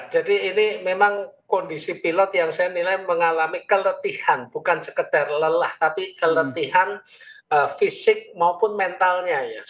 jadi ini memang kondisi pilot yang saya nilai mengalami keletihan bukan sekedar lelah tapi keletihan fisik maupun mentalnya